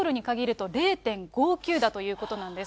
ソウルに限ると０．５９だということなんです。